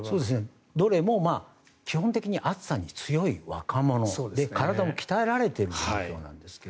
どれも基本的に暑さに強い若者で体も鍛えられているんですが